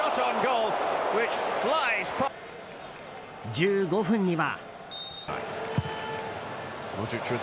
１５分には。